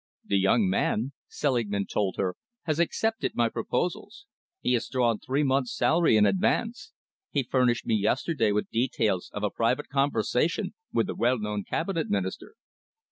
"The young man," Selingman told her, "has accepted my proposals. He has drawn three months' salary in advance. He furnished me yesterday with details of a private conversation with a well known Cabinet Minister."